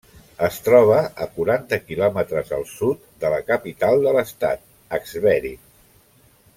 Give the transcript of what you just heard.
Es troba a quaranta quilòmetres al sud de la capital de l'estat, Schwerin.